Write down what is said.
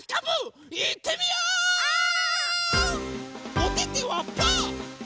おててはパー。